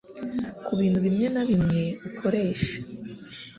ku bintu bimwe na bimwe ukoresha,